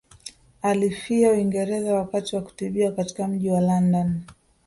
Alifia Uingereza wakati wa kutibiwa katika mji wa London